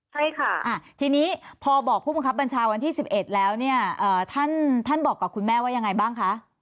ใช่ค่ะทีนี้พอบอกผู้บังคับบัญชาวันที่๑๑แล้วเนี่ยท่านบอกกับคุณแม่ว่ายังไงบ้างคะ